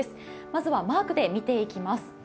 まずはマークで見ていきます。